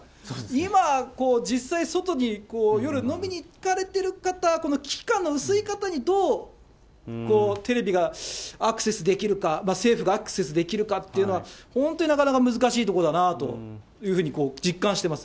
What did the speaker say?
今、実際外に夜飲みに行かれてる方、この危機感の薄い方に、どうテレビがアクセスできるか、政府がアクセスできるかっていうのは、本当になかなか難しいところだなというふうに実感してます。